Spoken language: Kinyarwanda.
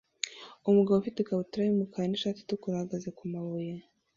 Umugabo ufite ikabutura yumukara nishati itukura ahagaze kumabuye